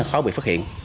khó bị phát hiện